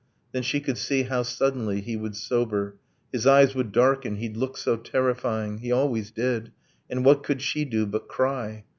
Then she could see how, suddenly, he would sober, His eyes would darken, he'd look so terrifying He always did and what could she do but cry?